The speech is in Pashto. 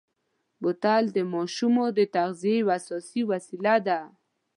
بوتل د ماشومو د تغذیې یوه اساسي وسیله ده.